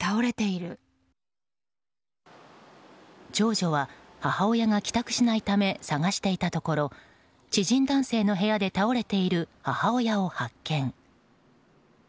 長女は母親が帰宅しないため捜していたところ知人男性の部屋で倒れている母親を発見。